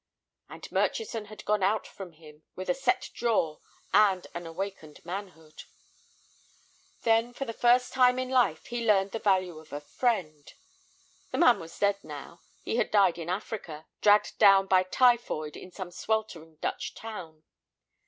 And Murchison had gone out from him with a set jaw and an awakened manhood. Then for the first time in life he learned the value of a friend. The man was dead now; he had died in Africa, dragged down by typhoid in some sweltering Dutch town.